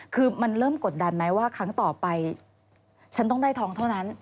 คือมันเริ่มกดดันไหมว่าครั้งต่อไปฉันต้องได้ทองเท่านั้น